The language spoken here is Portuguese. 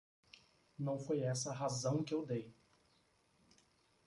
Não foi essa a razão que eu dei.